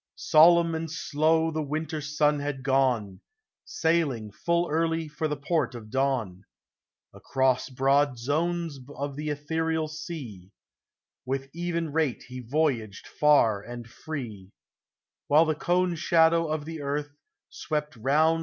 Solemn and slow the winter sun had gone, Sailing full early for the port of dawn ; Across broad zones of the ethereal sea, With even rate he voyaged far and free, While the cone shadow of the earth swept round TIME.